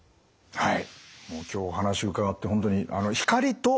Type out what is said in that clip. はい。